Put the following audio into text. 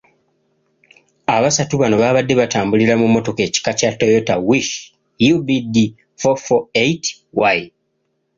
Abasatu bano baabadde batambulira mu mmotoka ekika kya Toyota Wish UBD four four eight Y.